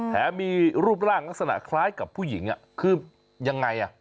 แถมมีรูปร่างลักษณะคล้ายกับผู้หญิงคือยังไง